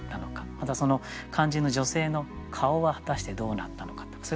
またその肝心の女性の顔は果たしてどうなったのかとかそういうことは言ってないです。